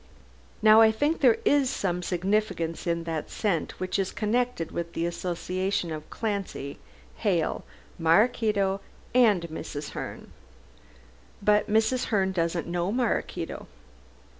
"Now I think there is some significance in this scent which is connected with the association of Clancy, Hale, Maraquito and Mrs. Herne." "But Mrs. Herne doesn't know Maraquito."